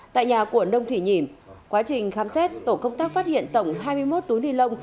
tại nhà của nông thị nhìm quá trình khám xét tổ công tác phát hiện tổng hai mươi một túi nilon